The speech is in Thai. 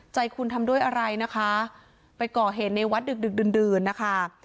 ใจคุณทำด้วยอะไรนะคะไปก่อเหตุในวัดดึกดึกดื่นดื่นนะคะ